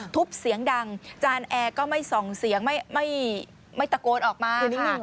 เสียงดังจานแอร์ก็ไม่ส่องเสียงไม่ตะโกนออกมา